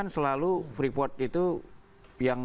yang bikin sulit untuk menurunkan masalah politis dari urusan ini